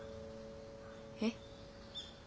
えっ？